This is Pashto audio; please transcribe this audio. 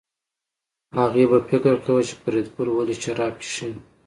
هغې به فکر کاوه چې فریدګل ولې شراب څښي